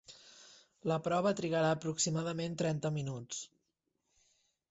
La prova trigarà aproximadament trenta minuts.